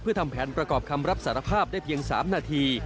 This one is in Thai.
เพื่อทำแผนประกอบคำรับสารภาพได้เพียง๓นาที